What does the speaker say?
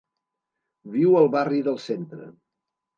Viu al barri del Centre.